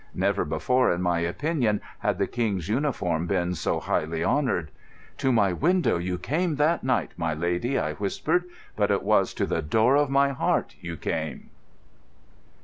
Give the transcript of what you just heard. Never before, in my opinion, had the King's uniform been so highly honoured. "To my window you came that night, my lady," I whispered, "but it was to the door of my heart you came."